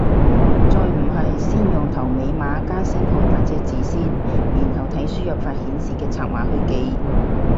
再唔係先用頭尾碼加星號打隻字先，然後睇輸入法顯示嘅拆碼去記